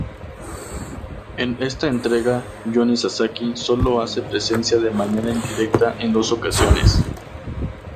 En esta entrega Johnny Sasaki solo hace presencia de manera indirecta en dos ocasiones.